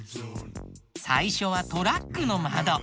さいしょはトラックのまど。